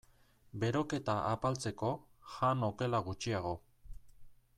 Beroketa apaltzeko, jan okela gutxiago.